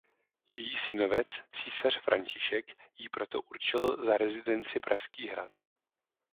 Její synovec císař František jí proto určil za rezidenci Pražský hrad.